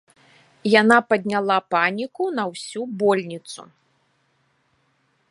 Яна падняла паніку на ўсю больніцу.